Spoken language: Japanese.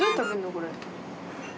これ。